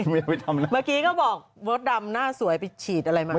เมื่อกี้ก็บอกว้ดดำหน้าสวยไปฉีดอะไรมา